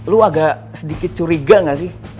lu agak sedikit curiga gak sih